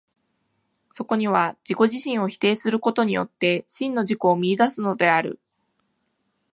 そこには自己自身を否定することによって、真の自己を見出すのである。